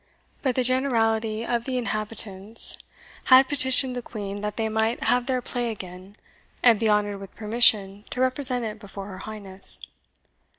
But the generality of the inhabitants had petitioned the Queen that they might have their play again, and be honoured with permission to represent it before her Highness.